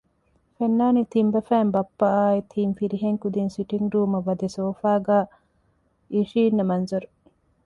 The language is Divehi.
ފެންނާނީ ތިން ބަފައިން ބައްޕައާއި ތިން ފިރިހެން ކުދީން ސިޓިންގ ރޫމަށް ވަދެ ސޯފާގައި އިނށީންނަ މަންޒަރު